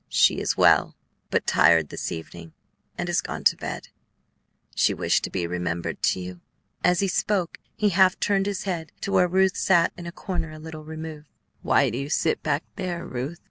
"She is well, but tired this evening, and has gone to bed. She wished to be remembered to you." As he spoke, he half turned his head to where Ruth sat in a corner, a little removed. "Why do you sit back there, Ruth?"